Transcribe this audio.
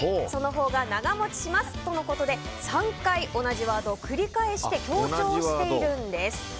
そのほうが長持ちしますとのことで３回、同じワードを繰り返して強調しているんです。